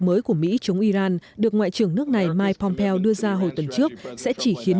mới của mỹ chống iran được ngoại trưởng nước này mike pompeo đưa ra hồi tuần trước sẽ chỉ khiến